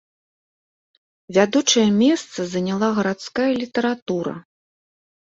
Вядучае месца заняла гарадская літаратура.